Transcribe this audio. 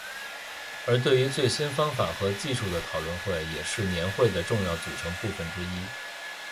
而对于最新方法和技术的讨论会也是年会的重要组成部分之一。